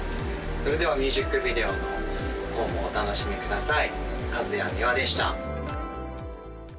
それではミュージックビデオの方もお楽しみください